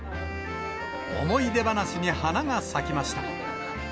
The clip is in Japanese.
思い出話に花が咲きました。